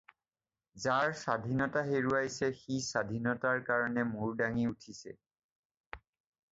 যাৰ স্বাধীনতা হেৰুৱাইছে সি স্বাধীনতাৰ কাৰণে মূৰ দাঙি উঠিছে।